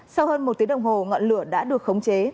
sau hơn một tiếng đồng hồ ngọn lửa đã được khống chế